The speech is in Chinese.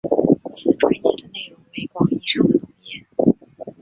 此专页的内容为广义上的农业。